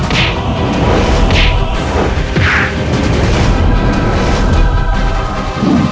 kau akan menang